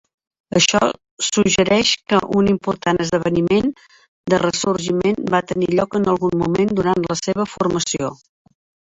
Això suggereix que un important esdeveniment de ressorgiment va tenir lloc en algun moment durant la seva formació.